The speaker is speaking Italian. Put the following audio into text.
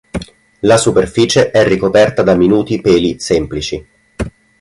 La superficie è ricoperta da minuti peli semplici.